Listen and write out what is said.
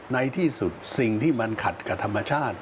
ในที่สุดสิ่งที่มันขัดกับธรรมชาติ